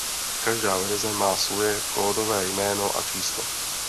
Každá verze má svoje kódové jméno a číslo.